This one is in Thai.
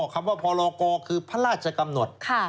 คำว่าพรกคือพระราชกำหนด